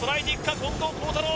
近藤幸太郎